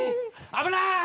危ない！